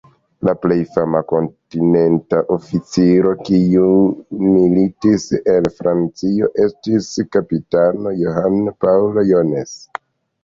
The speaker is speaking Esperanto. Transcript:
La plej fama Kontinenta oficiro, kiu militis el Francio, estis kapitano John Paul Jones.